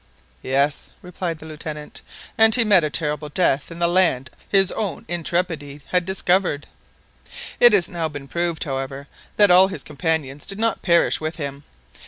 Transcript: "Yes," replied the Lieutenant; "and he met a terrible death in the land his own intrepidity had discovered. It has now been proved, however, that all his companions did not perish with him.